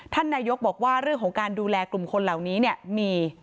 ท่านนายกรัฐมนตรีบอกว่าเรื่องของการดูแลกลุ่มคนเหล่านี้